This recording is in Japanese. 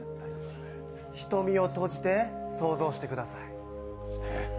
瞳を閉じて想像してください。